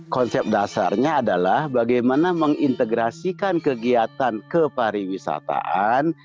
konsep dasarnya adalah bagaimana mengintegrasikan kegiatan kepariwisataan